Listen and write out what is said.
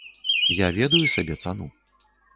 Я ведаю сабе цану.